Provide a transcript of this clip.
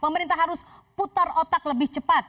pemerintah harus putar otak lebih cepat